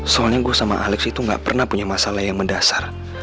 soalnya gue sama alex itu gak pernah punya masalah yang mendasar